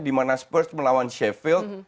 di mana spurs melawan cheffield